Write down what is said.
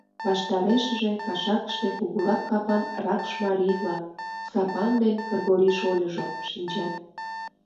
Ваштарешыже кашакыште кугурак капан ракш марий-влак — Сапан ден Кыргорий шольыжо — шинчат.